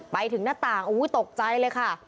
ไปถึงหน้าต่างตกใจเลยค่ะ